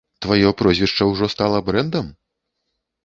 Тваё прозвішча ўжо стала брэндам?